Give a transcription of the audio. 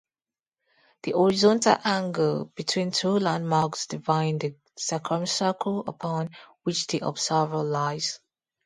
The horizontal angle between two landmarks defines the circumcircle upon which the observer lies.